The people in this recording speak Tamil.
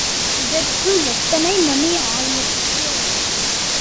இதற்குள் எட்டரை மணி ஆயிற்று.